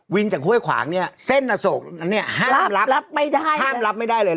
วินจากห้วยขวางเส้นอโศกนั้นห้ามรับไม่ได้เลย